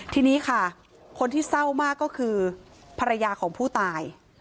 ทีนี้ค่ะคนที่เศร้ามากก็คือภรรยาของผู้ตาย